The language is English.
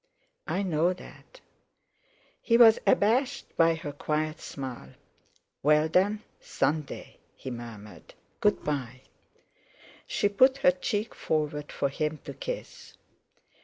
"I know that." He was abashed by her quiet smile. "Well then—Sunday," he murmured: "Good bye." She put her cheek forward for him to kiss.